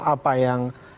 apa yang menyebutnya